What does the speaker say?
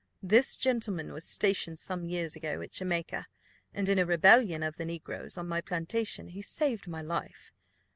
This gentleman was stationed some years ago at Jamaica, and in a rebellion of the negroes on my plantation he saved my life.